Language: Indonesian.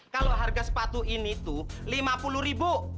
kalau harga sepatu ini tuh lima puluh ribu